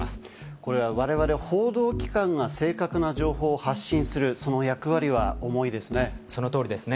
これはわれわれ報道機関が正確な情報を発信する、その役割は重いですね。